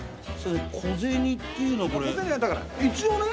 小銭っていうのはこれ。